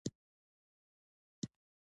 په ټولنه کې د دې کارونو هرکلی کېږي.